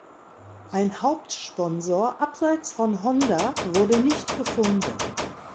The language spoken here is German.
Ein Hauptsponsor abseits von Honda wurde nicht gefunden.